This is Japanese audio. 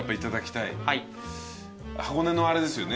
箱根のあれですよね？